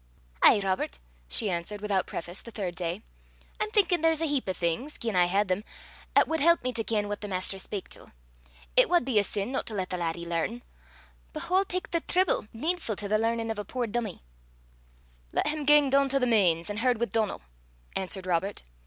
"Ay, Robert," she answered, without preface, the third day, "I'm thinkin' there's a heap o' things, gien I hed them, 'at wad help me to ken what the Maister spak till. It wad be a sin no to lat the laddie learn. But wha'll tak the trible needfu' to the learnin' o' a puir dummie?" "Lat him gang doon to the Mains, an' herd wi' Donal," answered Robert.